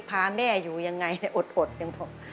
พาแม่อยู่อย่างไรอดอย่างนี้บอก